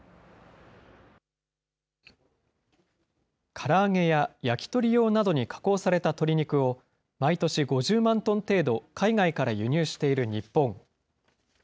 から揚げや焼き鳥用などに加工された鶏肉を、毎年５０万トン程度、海外から輸入している日本。